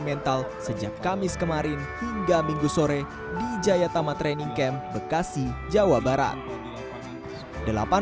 mental sejak kamis kemarin hingga minggu sore di jayatama training camp bekasi jawa barat delapan